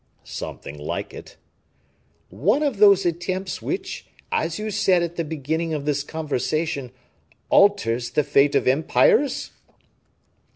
"Something like it." "One of those attempts which, as you said at the beginning of this conversation, alters the fate of empires?"